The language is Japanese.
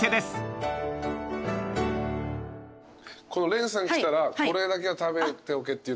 れんさん来たらこれだけは食べておけっていうのも。